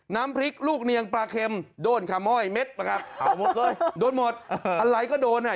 น้ำพริกลูกเนียงปลาเค็มโดนคาม่อยเม็ดนะครับเอาหมดเลยโดนหมดอะไรก็โดนอ่ะ